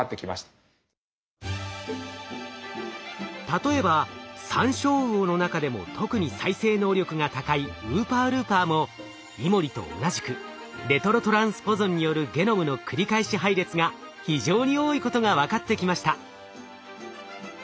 例えばサンショウウオの中でも特に再生能力が高いウーパールーパーもイモリと同じくレトロトランスポゾンによるゲノムの繰り返し配列が非常に多いことが分かってきました。